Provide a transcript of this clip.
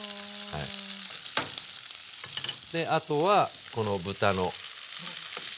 あとはこの豚の脂。